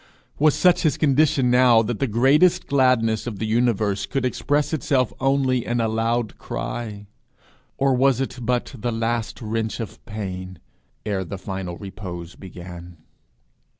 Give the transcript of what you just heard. Was such his condition now that the greatest gladness of the universe could express itself only in a loud cry? Or was it but the last wrench of pain ere the final repose began?